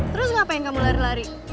terus ngapain kamu lari lari